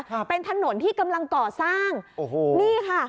ครับเป็นถนนที่กำลังก่อสร้างโอ้โหนี่ค่ะ